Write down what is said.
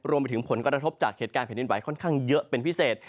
รวมไปถึงผลกระทบจากเหตุการณ์แผ่นดินไหวค่อนข้างเยอะเป็นพิเศษ